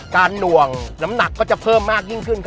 หน่วงน้ำหนักก็จะเพิ่มมากยิ่งขึ้น